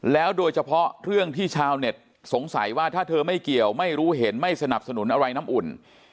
โดยเฉพาะเรื่องที่ชาวเน็ตสงสัยว่าถ้าเธอไม่เกี่ยวไม่รู้เห็นไม่สนับสนุนอะไรน้ำอุ่น